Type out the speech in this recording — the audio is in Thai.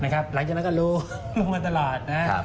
หลังจากนั้นก็รู้มาตลาดนะครับ